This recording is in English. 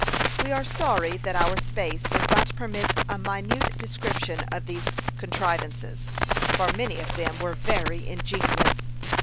We are sorry that our space does not permit a minute description of these contrivances, for many of them were very ingenious.